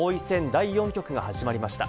第４局が始まりました。